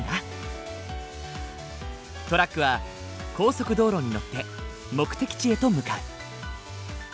トラックは高速道路に乗って目的地へと向かう。